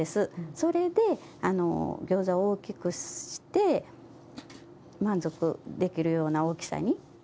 それで餃子を大きくして、満足できるような大きさに。